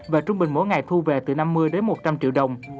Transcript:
và trung bình mỗi ngày thu về từ năm mươi đến một trăm linh triệu đồng